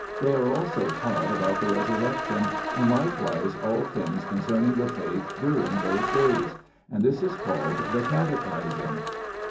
They are also taught about the Resurrection, and likewise all things concerning the Faith during those days. And this is called the catechising.